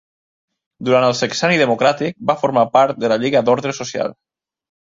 Durant el sexenni democràtic va formar part de la Lliga d'Ordre Social.